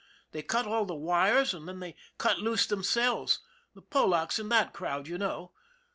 They cut all the wires and then they cut loose themselves the Polacks and that crowd, you know.